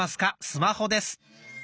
スマホ」です。